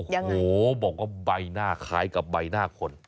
โอ้โหบอกว่าใบหน้าคล้ายกับใบหน้าคน